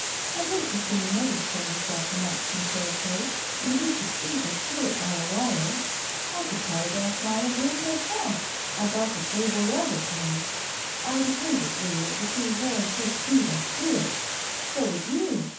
I'd hate to see May show herself in that chinchilla coat when we could beat her to it by a wire. I could telegraph Meyerbloom himself. I bought the sable rug of him. I'd hate it, Wheeler, to see her and Chris beat us to it. So would you.